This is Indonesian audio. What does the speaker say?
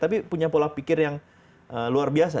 tapi punya pola pikir yang luar biasa